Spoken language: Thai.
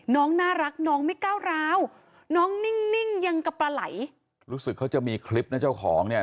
น้องน่ารักน้องไม่ก้าวร้าวน้องนิ่งยังกับปลาไหลรู้สึกเขาจะมีคลิปนะเจ้าของเนี่ย